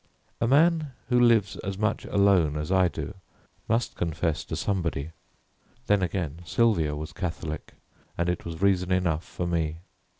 A man who lives as much alone as I do, must confess to somebody. Then, again, Sylvia was Catholic, and it was reason enough for me.